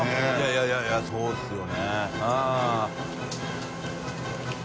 いやいやそうですよね。